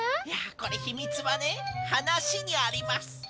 いやこれひみつはねはなしにあります。